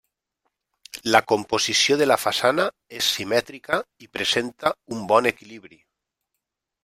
La composició de la façana és simètrica i presenta un bon equilibri.